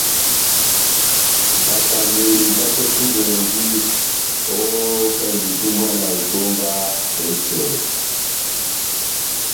Bakaneyi batɔ́tudwɛndi opɛlɛ ya itumbwana etómba tɛhi-tɛhi.